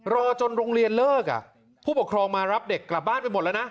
รอจนโรงเรียนเลิกผู้ปกครองมารับเด็กกลับบ้านไปหมดแล้วนะ